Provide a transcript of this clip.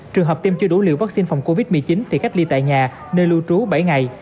trường hợp tiêm chưa đủ liều vaccine phòng covid một mươi chín thì cách ly tại nhà nơi lưu trú bảy ngày